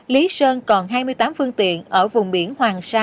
lý sơn còn hai mươi tám phương tiện ở vùng biển hoàng sa